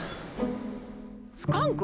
スカンク？